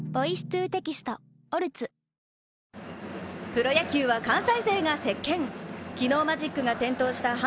プロ野球は関西勢が席けん。